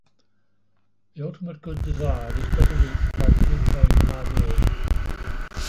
The ultimate good desired is better reached by free trade in ideas.